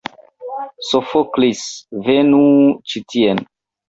Sofoklis, venu ĉi tien!